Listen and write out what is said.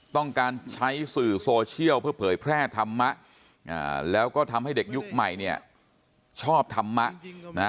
ต้องการใช้สื่อโซเชียลเพื่อเผยแพร่ธรรมะแล้วก็ทำให้เด็กยุคใหม่เนี่ยชอบธรรมะนะ